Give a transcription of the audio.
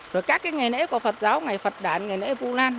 rồi các cái ngày nễ của phật giáo ngày phật đán ngày nễ phu lan